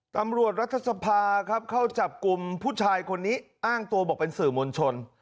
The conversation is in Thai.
รัฐสภาครับเข้าจับกลุ่มผู้ชายคนนี้อ้างตัวบอกเป็นสื่อมวลชน